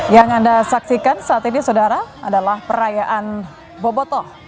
yang anda saksikan saat ini saudara adalah perayaan bobotoh